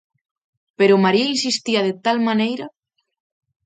Pero María insistía de tal maneira!